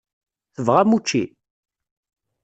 Tebɣam učči?